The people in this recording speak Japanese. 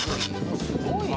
すごいな。